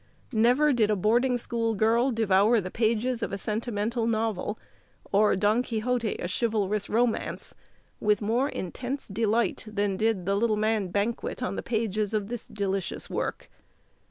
Never did boarding school girl devour the pages of a sentimental novel, or Don Quixote a chivalrous romance, with more intense delight than did the little man banquet on the pages of this delicious work.